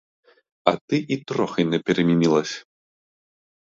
А ти і трохи не перемінилася.